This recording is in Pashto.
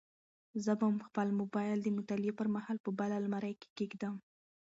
زه به خپل موبایل د مطالعې پر مهال په بل المارۍ کې کېږدم.